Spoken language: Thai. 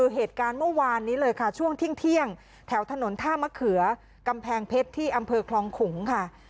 เหตุการณ์เมื่อวานนี้เลยค่ะช่วงเที่ยงแถวถนนท่ามะเขือกำแพงเพชรที่อำเภอคลองขุงค่ะ